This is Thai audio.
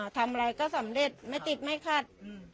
ทำอะไรก็สำเร็จไม่ติดไม่ขัด